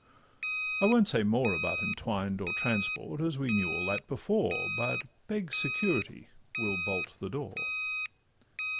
—I won't say more about 'entwined' Or 'transport,' as we knew all that before, But beg 'Security' will bolt the door.